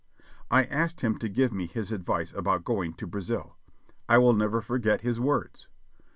I asked him to give me his advice about going to Brazil. I will never forget his words.